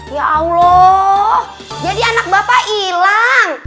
ya allah jadi anak bapak hilang